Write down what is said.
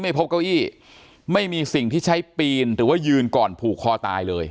พบเก้าอี้ไม่มีสิ่งที่ใช้ปีนหรือว่ายืนก่อนผูกคอตายเลย